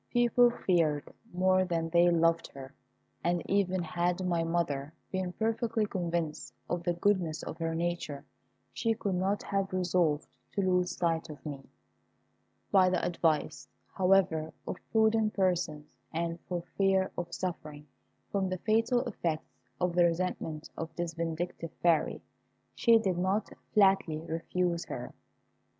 People feared more than they loved her; and even had my mother been perfectly convinced of the goodness of her nature, she could not have resolved to lose sight of me. By the advice, however, of prudent persons, and for fear of suffering from the fatal effects of the resentment of this vindictive Fairy, she did not flatly refuse her.